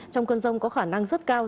trong cơn rông có khả năng rất cao